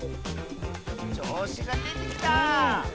ちょうしがでてきた！